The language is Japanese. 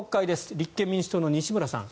立憲民主党の西村さん